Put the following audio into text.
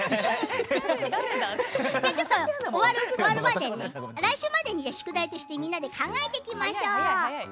終わるまでに来週までの宿題で皆で考えていきましょう。